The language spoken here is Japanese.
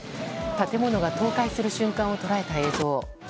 建物が倒壊する瞬間を捉えた映像。